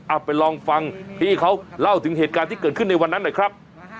เอาไปลองฟังพี่เขาเล่าถึงเหตุการณ์ที่เกิดขึ้นในวันนั้นหน่อยครับ